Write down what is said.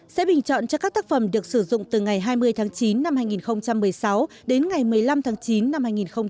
sẽ bình chọn cho các tác phẩm được sử dụng từ ngày hai mươi tháng chín năm hai nghìn một mươi sáu đến ngày một mươi năm tháng chín năm hai nghìn một mươi chín